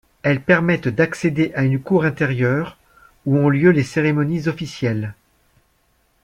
Elles permettent d'accéder à une cour intérieure, où ont lieu les cérémonies officielles.